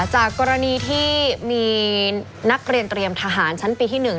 จากกรณีที่มีนักเรียนเตรียมทหารชั้นปีที่๑